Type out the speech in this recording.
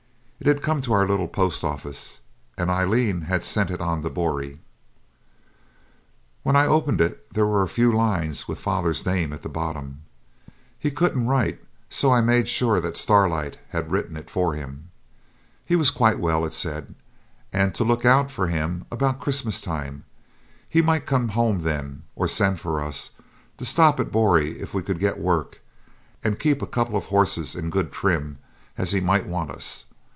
It had come to our little post office, and Aileen had sent it on to Boree. When I opened it there were a few lines, with father's name at the bottom. He couldn't write, so I made sure that Starlight had written it for him. He was quite well, it said; and to look out for him about Christmas time; he might come home then, or send for us; to stop at Boree if we could get work, and keep a couple of horses in good trim, as he might want us.